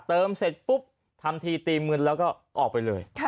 เสร็จปุ๊บทำทีตีมึนแล้วก็ออกไปเลย